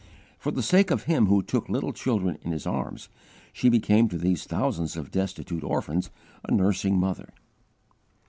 For the sake of Him who took little children in His arms, she became to these thousands of destitute orphans a nursing mother.